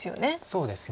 そうですね。